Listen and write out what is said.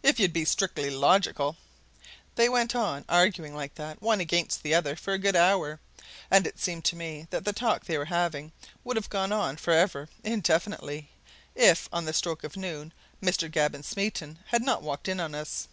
If you'd be strictly logical " They went on arguing like that, one against the other, for a good hour, and it seemed to me that the talk they were having would have gone on for ever, indefinitely, if, on the stroke of noon, Mr. Gavin Smeaton had not walked in on us.